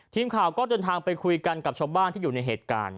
ทีมข่าวก็เดินทางไปคุยกันกับชาวบ้านที่อยู่ในเหตุการณ์